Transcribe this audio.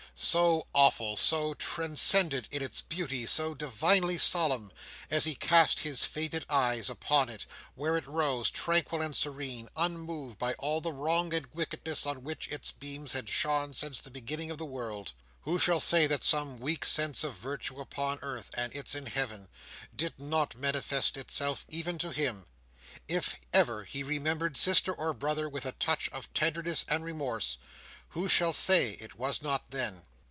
So awful, so transcendent in its beauty, so divinely solemn. As he cast his faded eyes upon it, where it rose, tranquil and serene, unmoved by all the wrong and wickedness on which its beams had shone since the beginning of the world, who shall say that some weak sense of virtue upon Earth, and its in Heaven, did not manifest itself, even to him? If ever he remembered sister or brother with a touch of tenderness and remorse, who shall say it was not then?